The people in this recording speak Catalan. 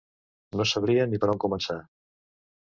No sabria ni per on començar.